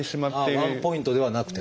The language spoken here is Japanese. ワンポイントではなくて。